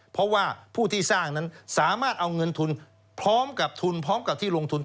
เพราะว่าผู้ที่สร้างนั้นสามารถเอาเงินทุนพร้อมกับทุนพร้อมกับที่ลงทุน